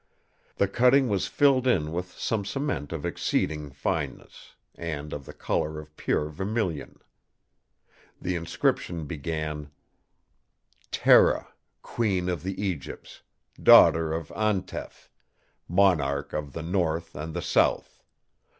The cutting was filled in with some cement of exceeding fineness, and of the colour of pure vermilion. The inscription began: "'Tera, Queen of the Egypts, daughter of Antef, Monarch of the North and the South.